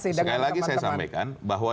sekali lagi saya sampaikan bahwa